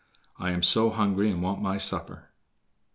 I am so hungry and want my supper."